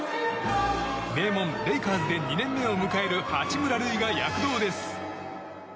名門レイカーズで２年目を迎える八村塁が躍動です！